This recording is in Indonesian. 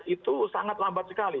itu sangat lambat sekali